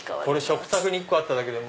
食卓に１個あっただけで。